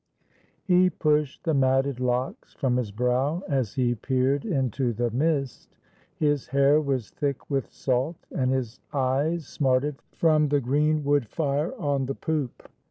] He pushed the matted locks from his brow, as he peered into the mist. His hair was thick with salt, and his eyes smarted from the green wood fire on the poop.